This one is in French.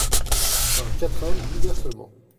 Un quatrain… huit vers seulement…